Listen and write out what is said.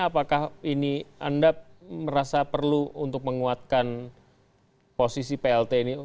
apakah ini anda merasa perlu untuk menguatkan posisi plt ini